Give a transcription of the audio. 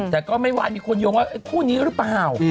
แต่ก็ไม่วายมีคนโยงว่าคู่นี้หรือเปล่า